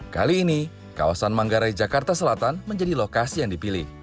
kali ini kawasan manggarai jakarta selatan menjadi lokasi yang dipilih